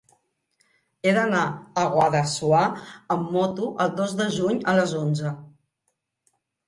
He d'anar a Guadassuar amb moto el dos de juny a les onze.